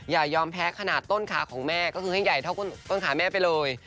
อย่ายอมแพ้ขนาดต้นขาของแม่ก็คือให้ใหญ่เท่าต้นขาแม่ไปเลย